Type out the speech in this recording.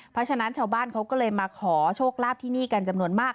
เพราะฉะนั้นชาวบ้านเขาก็เลยมาขอโชคลาภที่นี่กันจำนวนมาก